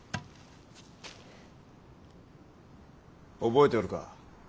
覚えておるか？